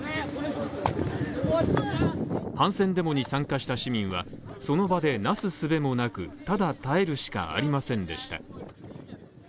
反戦デモに参加した市民はその場でなすすべもなくただ耐えるしかありませんでした。